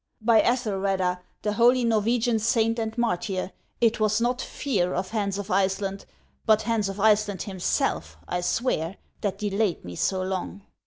" By Ethelreda, the holy Norwegian saint and martyr, it was not fear of Hans of Iceland, but Hans of Iceland himself, I swear, that delayed me so long."